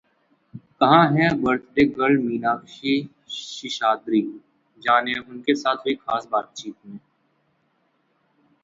कहां है birthday girl Meenakshi Seshadri?, जानें उनके साथ हुई खास बातचीत में